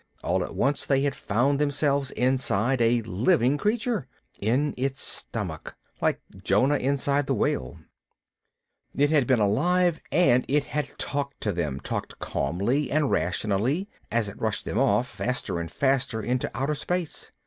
All at once they had found themselves inside a living creature, in its stomach, like Jonah inside the whale. It had been alive, and it had talked to them, talked calmly and rationally, as it rushed them off, faster and faster into outer space.